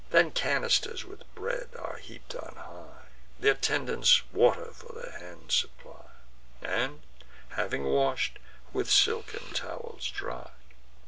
Then canisters with bread are heap'd on high; Th' attendants water for their hands supply, And, having wash'd, with silken towels dry.